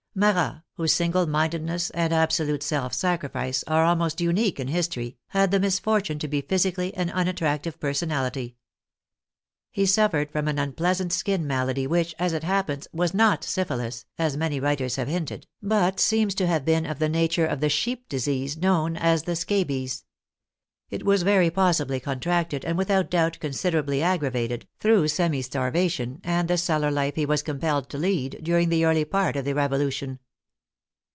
Marat, whose single mindedness and absolute self sacrifice are almost unique in history, had the misfortune to be physically an unattractive per sonality. He suffered from an unpleasant skin malady, which, as it happens, was not syphilis, as many writers THE NATIONAL CONVENTION 5^ have hinted, but seems to have been of the nature of the sheep disease known as the scabies. It was very possibly contracted, and without doubt considerably aggravated, through semi starvation and the cellar life he was com pelled to lead during the early part of the Revolution.